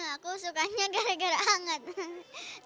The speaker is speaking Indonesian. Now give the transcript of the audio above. aku sukanya gara gara hangat